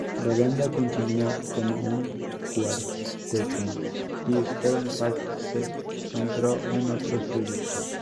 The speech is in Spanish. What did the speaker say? La banda continuo como un cuarteto, y Steven Page se centró en otros proyectos.